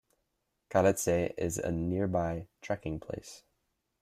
Khalatse is a nearby trekking place.